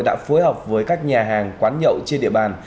đã phối hợp với các nhà hàng quán nhậu trên địa bàn